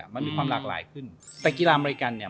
มันมีความหลากหลายขึ้นแต่กีฬาอเมริกันเนี่ย